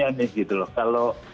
hanya memang yang berbeda situasinya nih